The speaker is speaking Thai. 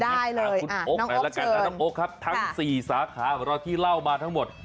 ได้เลยน้องโอ๊คเชิญทั้ง๔สาขาเวลาที่เล่ามาทั้งหมด